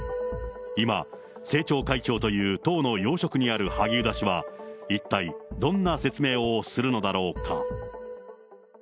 今、政調会長という党の要職にある萩生田氏は、一体どんな説明をするのだろうか。